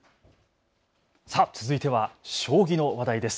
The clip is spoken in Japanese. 続いては将棋の話題です。